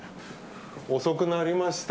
遅くなりました。